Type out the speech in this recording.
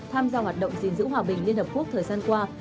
tham gia hoạt động gìn giữ hòa bình liên hợp quốc thời gian qua